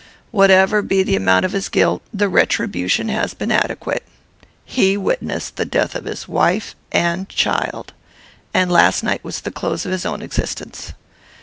Whatever be the amount of his guilt, the retribution has been adequate. He witnessed the death of his wife and child, and last night was the close of his own existence.